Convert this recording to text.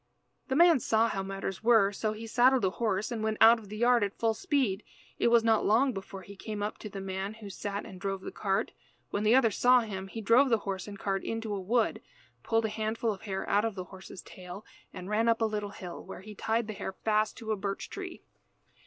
The man saw how matters were, so he saddled a horse and went out of the yard at full speed. It was not long before he came up to the man who sat and drove the cart. When the other saw him he drove the horse and cart into a wood, pulled a handful of hair out of the horse's tail, and ran up a little hill, where he tied the hair fast to a birch tree.